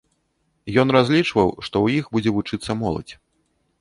Ён разлічваў, што ў іх будзе вучыцца моладзь.